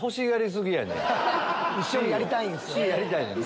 一緒にやりたいんよね。